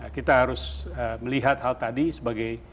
kita harus melihat hal tadi sebagai